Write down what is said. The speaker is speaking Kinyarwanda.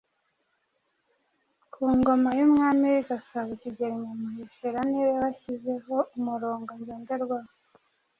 ku ngoma y’umwami w’i Gasabo Kigeli Nyamuheshera niwe washyizeho umurongo ngenderwaho